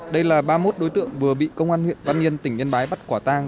đây là ba mươi một đối tượng vừa bị công an huyện văn yên tỉnh yên bái bắt quả tang